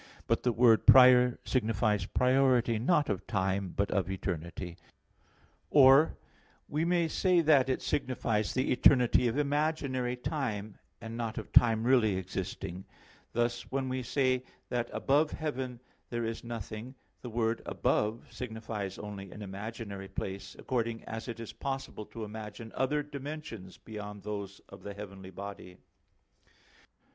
But the word "prior" signifies priority not of time, but of eternity. Or we may say that it signifies the eternity of imaginary time, and not of time really existing; thus, when we say that above heaven there is nothing, the word "above" signifies only an imaginary place, according as it is possible to imagine other dimensions beyond those of the heavenly body.